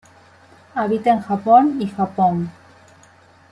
Habita en Japón y Japón.